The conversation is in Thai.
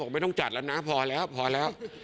ไม่ต้องจัดแล้วนะพอแล้ว